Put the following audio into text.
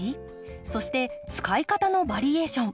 そして使い方のバリエーション。